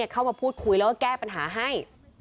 เข้ามาพูดคุยแล้วก็แก้ปัญหาให้